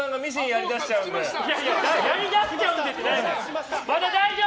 やりだしちゃうんでじゃない。